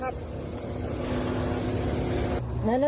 ลงรถมา